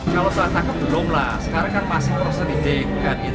kalau salah tangkap belum lah sekarang kan masih perlu seridik kan itu kan